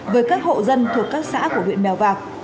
với các hộ dân thuộc các xã của huyện mèo vạc